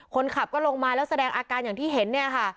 คนขับก็ลงมาแล้วแสดงอาการอย่างที่เห็นเนี่ยค่ะ